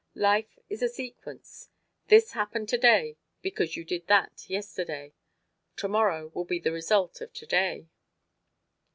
Life is a sequence: this happened today because you did that yesterday. Tomorrow will be the result of today.